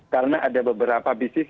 karena ada beberapa bisnis